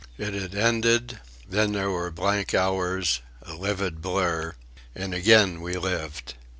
It had ended then there were blank hours: a livid blurr and again we lived!